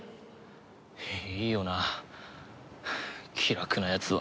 いいよな気楽なやつは。